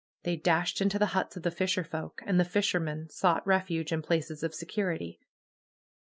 They dashed into the huts of the fisherfolk. And the fishermen sought refuge in places of security.